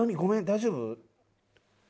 大丈夫？